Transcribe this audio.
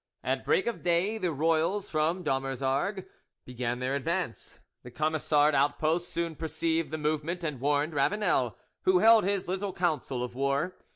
At break of day the royals from Dommersargues began their advance. The Camisard outposts soon perceived the movement, and warned Ravanel, who held his little council of war.